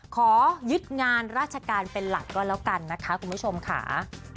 ขอยึดงานราชการเป็นหลักก็แล้วกันนะคะคุณผู้ชมค่ะ